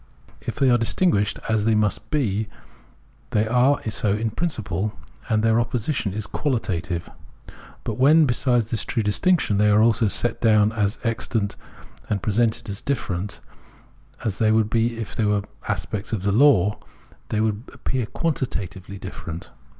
If they are distinguished, as they must be, they are so in priaciple, and their opposition is qualitative. But when, besides this true distiaction, they are also set down as existent and presented as different, as they would be if made aspects of the law, then they appear quantitatively distinct.